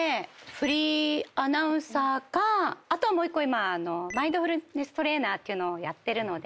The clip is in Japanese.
フリーアナウンサーかあとはもう１個今マインドフルネストレーナーっていうのをやってるので。